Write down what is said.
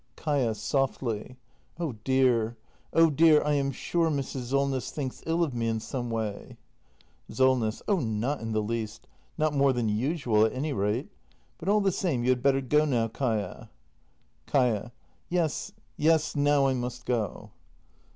Kaia. [Softly.] Oh dear, oh dear — I am sure Mrs. Solness thinks ill of me in some way! Solness. Oh, not in the least. Not more than usual at any rate. But all the same, you had better go now, Kaia. Kaia. Yes, yes, now I m u s t go.